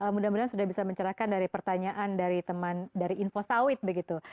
mudah mudahan sudah bisa mencerahkan dari pertanyaan dari teman dari info sawit begitu